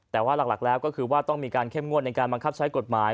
แต่ว่าหลักแล้วก็คือว่าต้องมีการเข้มงวดในการบังคับใช้กฎหมาย